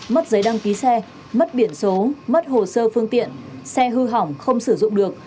mất giấy đăng ký xe mất biển số mất hồ sơ phương tiện xe hư hỏng không sử dụng được